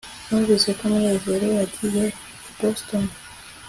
numvise ko munezero yagiye i boston